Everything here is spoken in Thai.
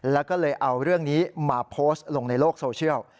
แล้วก็เลยเอาเรื่องนี้มาโพสต์ลงในโลกโซเชียล